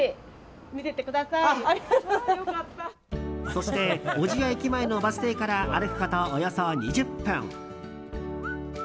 そして、小千谷駅前のバス停から歩くことおよそ２０分。